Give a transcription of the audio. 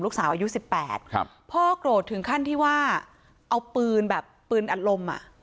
ลูกสาวอายุสิบแปดครับพ่อโกรธถึงขั้นที่ว่าเอาปืนแบบปืนอัดลมอ่ะ